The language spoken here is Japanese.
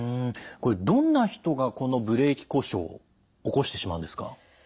これどんな人がこのブレーキ故障起こしてしまうんですか？